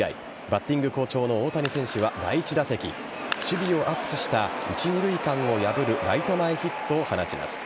バッティング好調の大谷選手は第１打席守備を厚くした一・二塁間を破るライト前ヒットを放ちます。